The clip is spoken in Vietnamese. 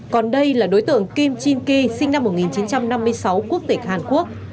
còn đây là đối tượng kim chin ky sinh năm một nghìn chín trăm năm mươi sáu quốc tịch hàn quốc